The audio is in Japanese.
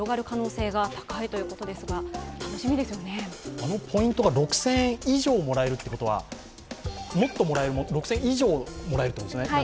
あのポイントが６０００円以上もらえるということは６０００円以上もらえるということですね。